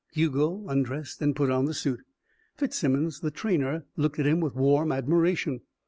Hugo undressed and put on the suit. Fitzsimmons, the trainer, looked at him with warm admiration.